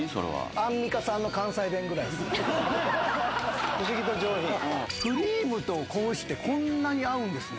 アンミカさんの関西弁ぐらいですね。